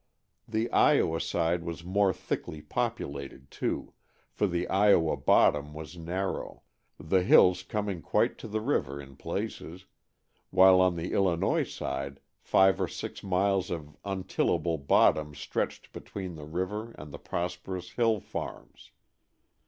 The Iowa side was more thickly populated, too, for the Iowa "bottom" was narrow, the hills coming quite to the river in places, while on the Illinois side five or six miles of untillable "bottom" stretched between the river and the prosperous hill farms.